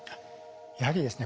やはりですね